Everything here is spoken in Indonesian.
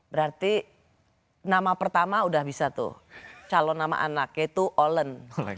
berarti nama pertama udah bisa tuh calon nama anak yaitu olen